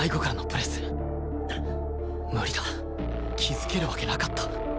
無理だ気づけるわけなかった